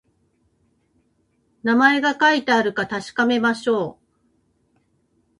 名前が書いてあるか確かめましょう